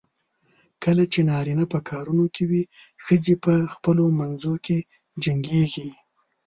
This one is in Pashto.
کله چې نارینه په کارونو کې وي، ښځې په خپلو منځو کې جنګېږي.